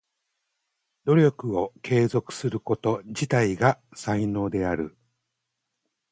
努力を継続すること自体が才能である。